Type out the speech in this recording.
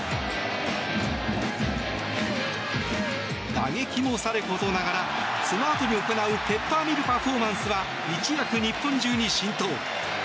打撃もさることながらそのあとに行うペッパーミルパフォーマンスは一躍、日本中に浸透。